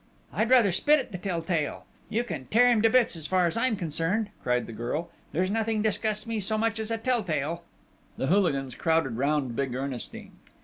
"I'd rather spit at the tell tale!... You can tear him to bits as far as I'm concerned!" cried the girl. "There's nothing disgusts me so much as a tell tale!" The hooligans crowded round big Ernestine.